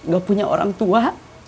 gak punya orang tua